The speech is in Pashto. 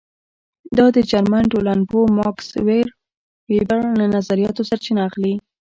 دا د جرمن ټولنپوه ماکس وېبر له نظریاتو سرچینه اخلي.